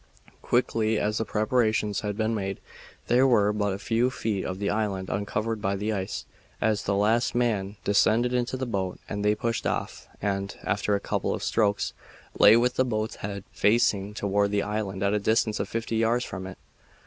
Quickly as the preparations had been made, there were but a few feet of the island uncovered by the ice, as the last man descended into the boat and they pushed off and, after a couple of strokes, lay with the boat's head facing toward the island at a distance of fifty yards from it.